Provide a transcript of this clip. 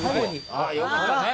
ああよかったね